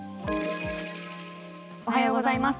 おはようございます。